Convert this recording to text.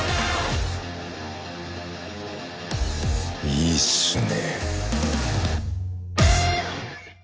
いいっすね